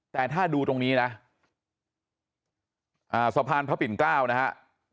แต่ถ้าดูตรงนี้นะสะพานพระปิ่นเกล้านะฮะ